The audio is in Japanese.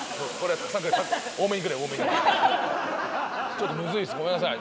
ちょっとむずいっすごめんなさい。